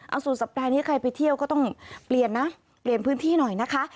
เอาสุดสัปดาห์นี้ใครไปเที่ยวก็ต้องเปลี่ยนนะเปลี่ยนพื้นที่หน่อยนะคะ